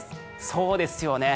そうですよね。